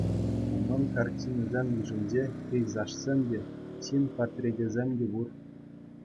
Унӑн картинисен йышӗнче пейзажсем те, ҫын портречӗсем те пур.